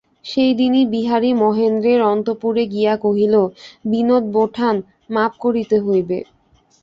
সেইদিনই বিহারী মহেন্দ্রের অন্তঃপুরে গিয়া কহিল, বিনোদ-বোঠান, মাপ করিতে হইবে।